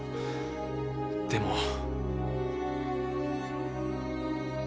でも。